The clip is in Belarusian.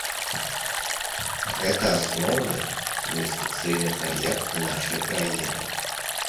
Гэта асноўны інвестыцыйны праект нашай краіны.